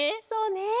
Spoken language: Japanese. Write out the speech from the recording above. そうね。